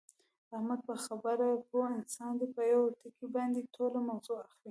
احمد په خبره پوه انسان دی، په یوه ټکي باندې ټوله موضع اخلي.